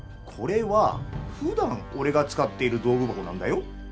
これはふだんおれが使っている道具箱なんだよ。